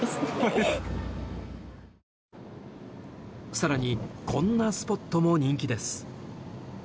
更に、こんなスポットも人気です。